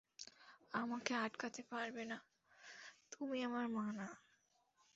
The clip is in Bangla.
আমাকে আটকাতে পারবে না, তুমি আমার মা না।